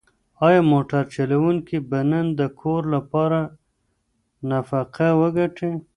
ایا موټر چلونکی به نن د کور لپاره نفقه وګټي؟